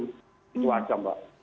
itu saja mbak